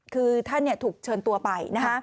คือท่านถูกเชิญตัวไป